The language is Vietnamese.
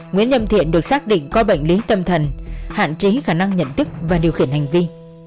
nguyễn lâm thiện được xác định có bệnh lý tâm thần hạn chế khả năng nhận thức và điều khiển hành vi